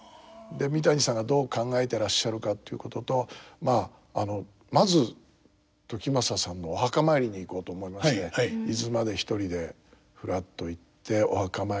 三谷さんがどう考えてらっしゃるかということとまず時政さんのお墓参りに行こうと思いまして伊豆まで一人でふらっと行ってお墓参りをさせていただいて。